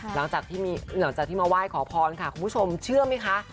หลังจากที่มาไหว้ขอพรค่ะคุณผู้ชมเชื่อไหมคะ